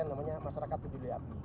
namanya masyarakat peduli api